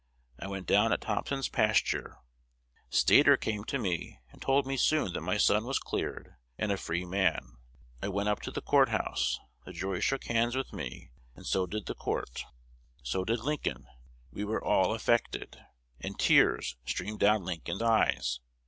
I went down at Thompson's pasture: Stator came to me, and told me soon that my son was cleared and a free man. I went up to the Court House: the jury shook hands with me, so did the Court, so did Lincoln. We were all affected, and tears, streamed down Lincoln's eyes.